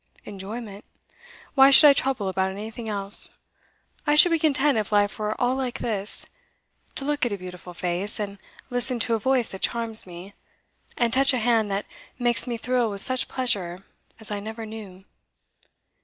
'Enjoyment. Why should I trouble about anything else. I should be content if life were all like this: to look at a beautiful face, and listen to a voice that charms me, and touch a hand that makes me thrill with such pleasure as I never knew.